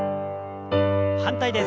反対です。